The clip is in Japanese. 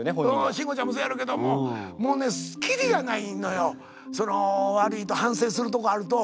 慎吾ちゃんもそやろけどももうね切りがないのよ悪いと反省するとこあると。